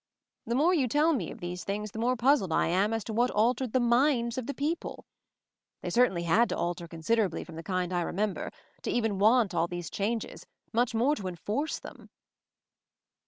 The more you tell me of 236 MOVING THE MOUNTAIN these things the more puzzled I am as to what altered the minds of the people. They certainly had to alter considerably from the kind I remember, to even want all these changes, much more to enforce them."